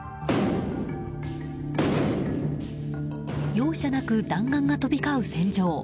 容赦なく弾丸が飛び交う戦場。